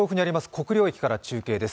国領駅から中継です。